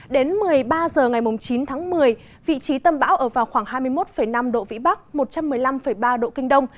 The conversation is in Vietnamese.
đến một mươi ba h ngày chín tháng một mươi vị trí tâm bão ở vào khoảng hai mươi một năm độ vĩ bắc một trăm một mươi năm ba độ kinh đông